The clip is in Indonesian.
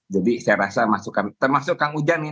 jadi saya rasa masukkan termasuk kang ujang nih